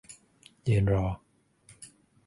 ยืนรอ